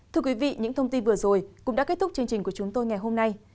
thưa quý vị những thông tin vừa rồi cũng đã kết thúc chương trình của chúng tôi ngày hôm nay